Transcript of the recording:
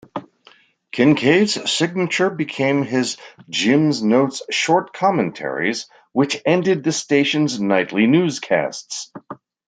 Kincaid's signature became his "Jim's notes," short commentaries which ended the station's nightly newscasts.